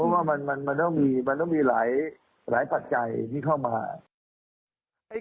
เพราะว่ามันต้องมีหลายปัจจัยที่เข้ามา